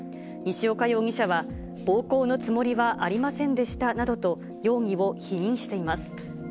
西岡容疑者は、暴行のつもりはありませんでしたなどと容疑を否認しています。